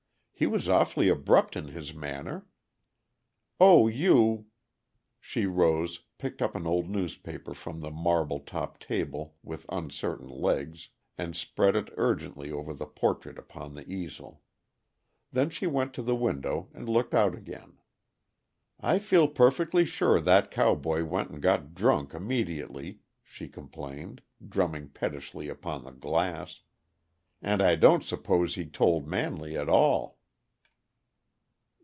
"He was awfully abrupt in his manner. Oh, you " She rose, picked up an old newspaper from the marble topped table with uncertain legs, and spread it ungently over the portrait upon the easel. Then she went to the window and looked out again. "I feel perfectly sure that cowboy went and got drunk immediately," she complained, drumming pettishly upon the glass. "And I don't suppose he told Manley at all."